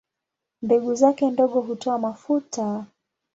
Mbegu zake ndogo hutoa mafuta.